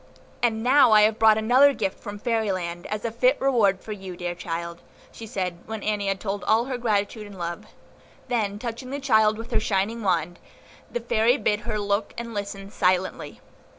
"And now have I brought another gift from Fairy Land, as a fit reward for you, dear child," she said, when Annie had told all her gratitude and love; then, touching the child with her shining wand, the Fairy bid her look and listen silently.